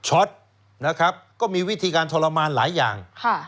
ช็อตนะครับก็มีวิธีการทรมานหลายอย่าง